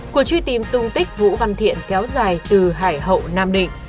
cuộc truy tìm tung tích vũ văn thiện kéo dài từ hải hậu nam định